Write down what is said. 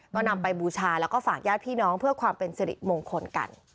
ก็นำไปบูชาแล้วก็ฝากญาติพี่น้องเพื่อความเป็นสิริมงคลกัน